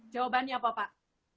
jawabannya apa pak